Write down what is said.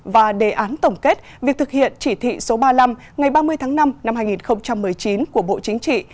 và đề án tổng kết việc thực hiện chỉ thị số ba mươi năm ngày ba mươi tháng năm năm hai nghìn một mươi chín của bộ chính trị